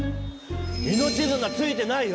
命綱ついてないよ！